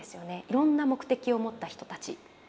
いろんな目的を持った人たち。